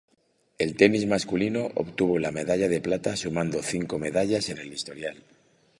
El tenis masculino obtuvo la medalla de plata sumando cinco medallas en el historial.